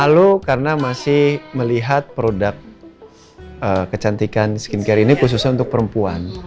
lalu karena masih melihat produk kecantikan skincare ini khususnya untuk perempuan